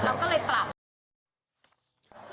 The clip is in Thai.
ตามครับเราก็เลยปรับ